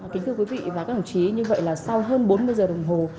kính thưa quý vị và các đồng chí như vậy là sau hơn bốn mươi giờ đồng hồ